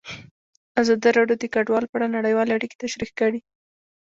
ازادي راډیو د کډوال په اړه نړیوالې اړیکې تشریح کړي.